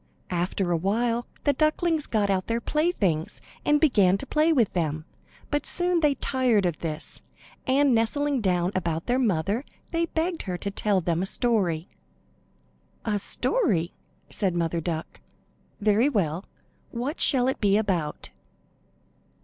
After a while the ducklings got out their play things and began to play with them, but soon they tired of this, and nestling down about their mother they begged her to tell them a story. "A story?" said Mother Duck. "Very well. What shall it be about?"